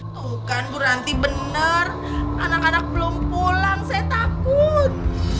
tuh kan berhenti bener anak anak belum pulang saya takut